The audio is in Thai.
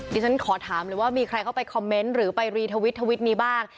ฉันขอถามเลยว่ามีใครเข้าไปคอมเมนต์หรือไปรีทวิตทวิตนี้บ้าง